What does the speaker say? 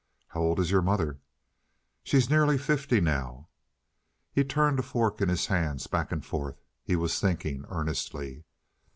"How old is your mother?" "She's nearly fifty now." He turned a fork in his hands back and forth; he was thinking earnestly.